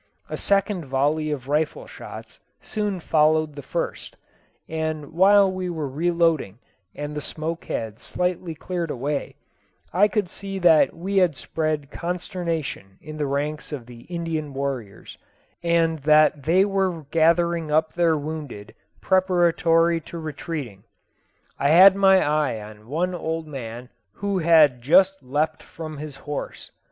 A second volley of rifle shots soon followed the first; and while we were reloading, and the smoke had slightly cleared away, I could see that we had spread consternation in the ranks of the Indian warriors, and that they were gathering up their wounded preparatory to retreating. I had my eye on one old man, who had just leapt from his horse.